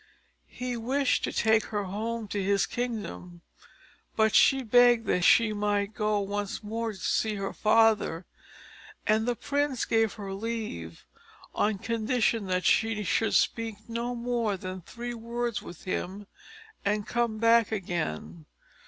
He wished to take her home to his kingdom, but she begged that she might go once more to see her father; and the prince gave her leave, on condition that she should speak no more than three words with him, and come back again.